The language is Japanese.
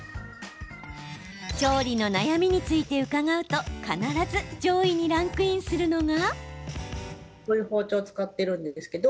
調理の悩みについて伺うと必ず上位にランクインするのが。